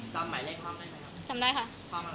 จำหมายเลขความได้ไหมครับ